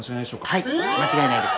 はい間違いないです。